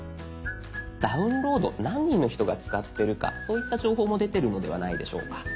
「ダウンロード」何人の人が使ってるかそういった情報も出てるのではないでしょうか。